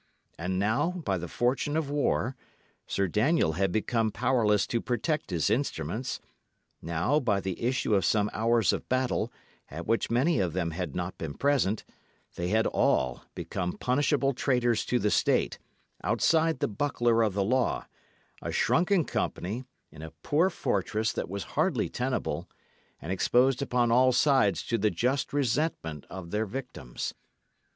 And now, by the fortune of war, Sir Daniel had become powerless to protect his instruments; now, by the issue of some hours of battle, at which many of them had not been present, they had all become punishable traitors to the State, outside the buckler of the law, a shrunken company in a poor fortress that was hardly tenable, and exposed upon all sides to the just resentment of their victims.